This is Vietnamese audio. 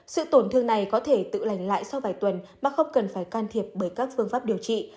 sự tổn thương này có thể tự lành lại sau vài tuần mà không cần phải can thiệp bởi các phương pháp điều trị